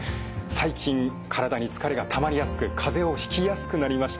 最近体に疲れがたまりやすく風邪をひきやすくなりました。